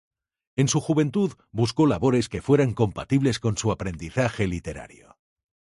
En su juventud, buscó labores que fueran compatibles con su aprendizaje literario.